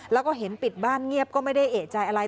แล้วก็เห็นปิดบ้านเงียบก็ไม่ได้เอกใจอะไร